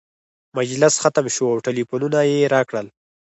مجلس ختم شو او ټلفونونه یې راکړل.